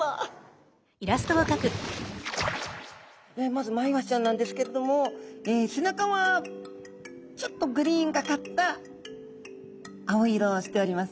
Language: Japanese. まずマイワシちゃんなんですけれども背中はちょっとグリーンがかった青色をしております。